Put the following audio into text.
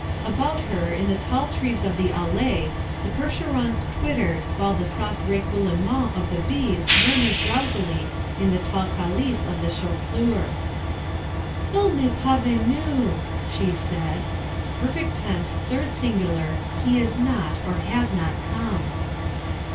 About her in the tall trees of the allee the percherons twittered while the soft roucoulement of the bees murmured drowsily in the tall calice of the chou fleur. "Il n'est pas venu," she said (perfect tense, third singular, he is not, or has not, come).